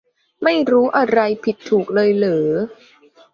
ไม่รู้อะไรผิดถูกเลยเหรอ